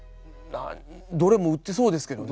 どれも売ってそうですけどね。